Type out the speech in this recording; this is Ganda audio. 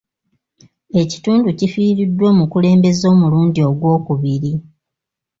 Ekitundu kifiiriddwa omukulembeze omulundi ogw'okubiri.